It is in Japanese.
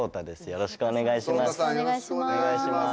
よろしくお願いします。